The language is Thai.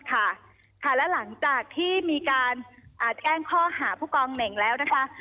ค่ะและหลังจากที่มีการแจ้งข้อหาผู้กองเหน่งแล้วนะคะ